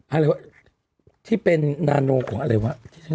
อะไรวะที่เป็นนาโนของอะไรวะ